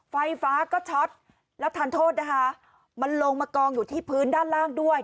ไฟฟ้าก็ช็อตแล้วทานโทษนะคะมันลงมากองอยู่ที่พื้นด้านล่างด้วย